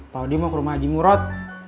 paudi mau ke rumah haji murot